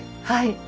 はい。